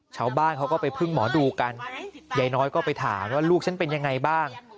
ชาวบ้านเขาก็ไปพึ่งหมอดูกันยายน้อยก็ไปถามว่าลูกฉันเป็นยังไงบ้าง